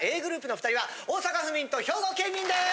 ｇｒｏｕｐの２人は大阪府民と兵庫県民です！